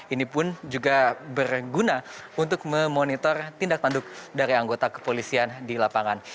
ini pun juga berguna untuk memonitor tindak tanduk dari anggota kepolisian di lapangan